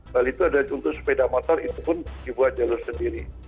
bali itu ada untuk sepeda motor itu pun dibuat jalur sendiri